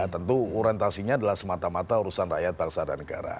tentu orientasinya adalah semata mata urusan rakyat bangsa dan negara